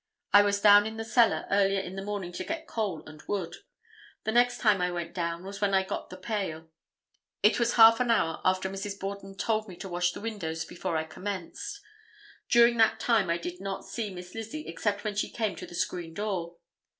I was down in the cellar earlier in the morning to get coal and wood. The next time I went down was when I got the pail. It was half an hour after Mrs. Borden told me to wash the windows before I commenced. During that time I did not see Miss Lizzie except when she came to the screen door.